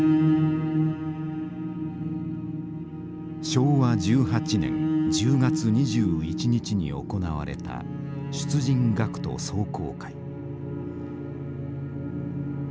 昭和１８年１０月２１日に行われた出陣学徒壮行会。